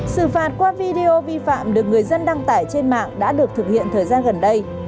sự phạt qua video vi phạm được người dân đăng tải trên mạng đã được thực hiện thời gian gần đây